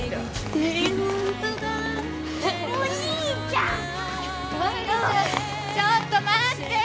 ちょっと待って！